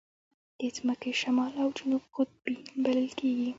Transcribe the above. د ځمکې شمال او جنوب قطبین بلل کېږي.